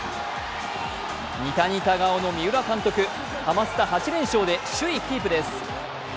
ニタニタ顔の三浦監督、ハマスタ８連勝で首位キープです。